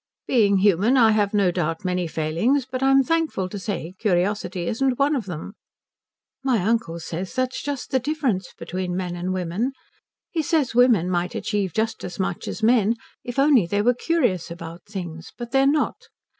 "Being human I have no doubt many failings, but I'm thankful to say curiosity isn't one of them." "My uncle says that's just the difference between men and women. He says women might achieve just as much as men if only they were curious about things. But they're not.